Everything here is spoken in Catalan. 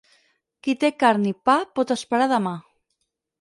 Qui té carn i pa pot esperar demà.